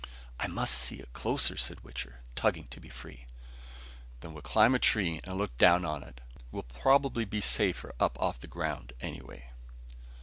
"I must see it closer," said Wichter, tugging to be free. "Then we'll climb a tree and look down on it. We'll probably be safer up off the ground anyway."